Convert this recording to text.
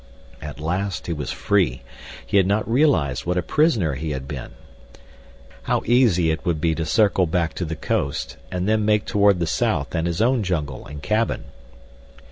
At last he was free. He had not realized what a prisoner he had been. How easy it would be to circle back to the coast, and then make toward the south and his own jungle and cabin.